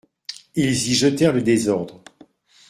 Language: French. Ils y jetèrent le désordre.